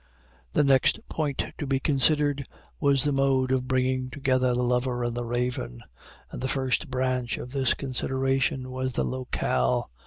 The next point to be considered was the mode of bringing together the lover and the Raven and the first branch of this consideration was the locale.